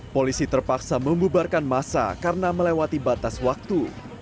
polisi terpaksa membubarkan masa karena melewati batas waktu